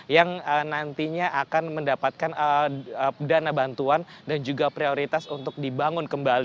yang nantinya akan mendapatkan dana bantuan dan juga prioritas untuk dibangun kembali